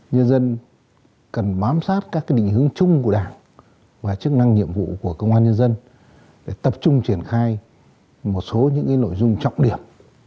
nhân dân cần bám sát các định hướng chung của đảng và chức năng nhiệm vụ của công an nhân dân để tập trung triển khai một số những nội dung trọng điểm